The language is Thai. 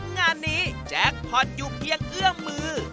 งานนี้แจ็คพอร์ตอยู่เพียงเอื้อมมือ